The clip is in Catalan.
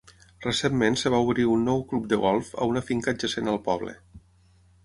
Recentment es va obrir un nou club de golf a una finca adjacent al poble.